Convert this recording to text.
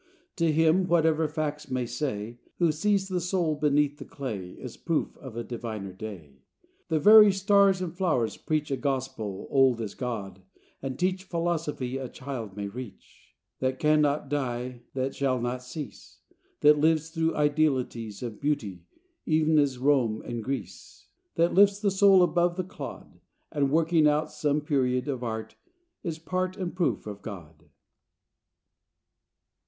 To him whatever facts may say Who sees the soul beneath the clay, Is proof of a diviner day. The very stars and flowers preach A gospel old as God, and teach Philosophy a child may reach; That can not die; that shall not cease; That lives through idealities Of Beauty, ev'n as Rome and Greece: That lifts the soul above the clod, And, working out some period Of art, is part and proof of God.